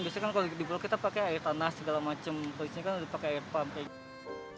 biasanya kan kalau di pulau kita pakai air tanah segala macam kelihatannya kan pakai air pump